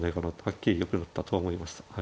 はっきりよくなったとは思いました。